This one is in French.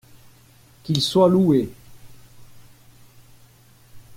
Qu’il soit loué.